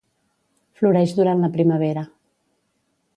Floreix durant la primavera.